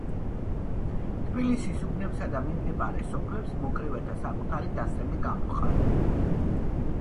თბილისის უბნებსა და მიმდებარე სოფლებს მოკრივეთა საკუთარი დასები გამოჰყავდათ.